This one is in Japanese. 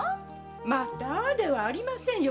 「また」ではありませんよ